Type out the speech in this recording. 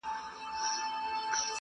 ور ناورین یې د کارګه غریب مېله کړه!!